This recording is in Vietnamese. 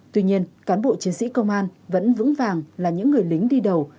tuy nhiên cán bộ chiến sĩ công an vẫn vững vàng là những người lính đi đầu